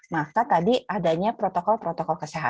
maka tadi adanya protokol protokol yang sangat penting